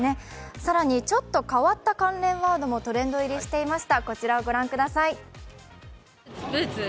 更にちょっと変わった関連ワードもトレンド入りしていました。